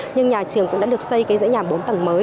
nhưng nhà trường cũng đã được xây cái dãy nhà bốn tầng mới